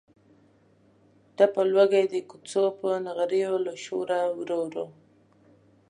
تپ او لوګی د کوڅو د نغریو له شوره ورو ورو.